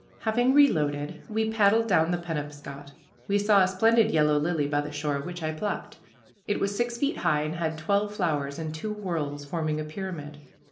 Having reloaded, we paddled down the Penobscot. We saw a splendid yellow lily by the shore, which I plucked. It was six feet high and had twelve flowers, in two whorls, forming a pyramid.